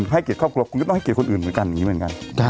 ถูกต้องให้เกียรติครอบครบคุณก็ต้องให้เกียรติคนอื่นเหมือนกัน